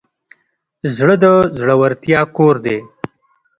زړه د زړورتیا کور دی.